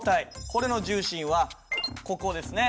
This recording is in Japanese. これの重心はここですね。